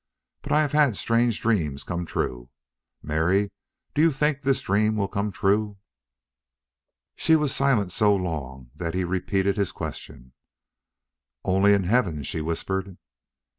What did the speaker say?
But I have had strange dreams come true.... Mary, do you think THIS dream will come true?" She was silent so long that he repeated his question. "Only in heaven," she whispered.